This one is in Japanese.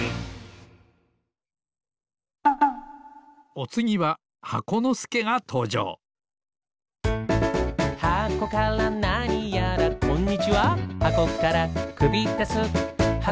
おつぎは箱のすけがとうじょうこんにちは。